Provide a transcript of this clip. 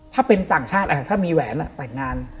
ถ้าเป็นต่างชาติถ้ามีแหวนแต่งงาน